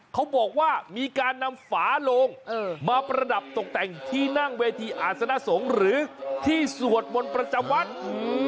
เขาบอกว่ามีการนำฝาโลงมาประดับตกแต่งที่นั่งเวทีอาศนสงฆ์หรือที่สวดมนต์ประจำวัดอืม